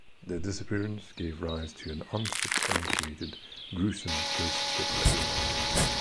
Their disappearance gave rise to an unsubstantiated gruesome ghost ship legend.